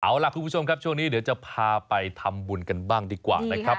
เอาล่ะคุณผู้ชมครับช่วงนี้เดี๋ยวจะพาไปทำบุญกันบ้างดีกว่านะครับ